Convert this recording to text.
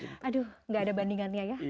aduh gak ada bandingannya ya